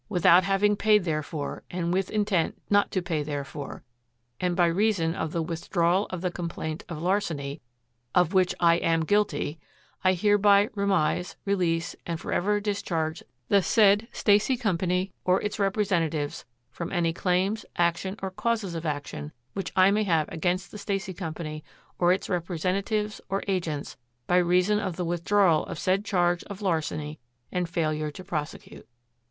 without having paid therefor and with intent not to pay therefor, and by reason of the withdrawal of the complaint of larceny, OF WHICH I AM GUILTY, I hereby remise, release, and forever discharge the said Stacy Co. or its representatives from any claims, action, or causes of action which I may have against the Stacy Co. or its representatives or agents by reason of the withdrawal of said charge of larceny and failure to prosecute."